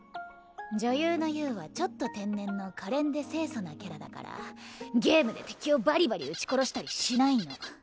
女優のユウはちょっと天然のかれんで清楚なキャラだからゲームで敵をバリバリ撃ち殺したりしないの。